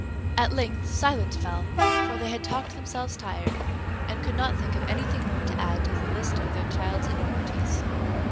At length silence fell; for they had talked themselves tired, and could not think of any thing more to add to the list of their child's enormities.